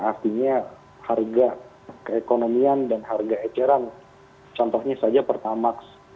artinya harga keekonomian dan harga eceran contohnya saja pertamax